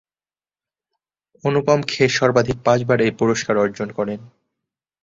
অনুপম খের সর্বাধিক পাঁচবার এই পুরস্কার অর্জন করেন।